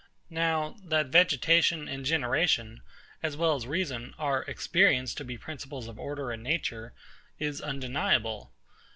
Now, that vegetation and generation, as well as reason, are experienced to be principles of order in nature, is undeniable.